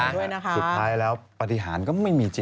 สุดท้ายแล้วปฏิหารก็ไม่มีสิ